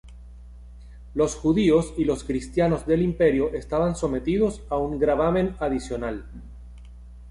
Los judíos y los cristianos del Imperio estaban sometidos a un gravamen adicional.